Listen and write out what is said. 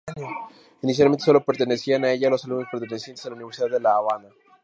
Inicialmente sólo pertenecían a ella los alumnos pertenecientes a la Universidad de La Habana.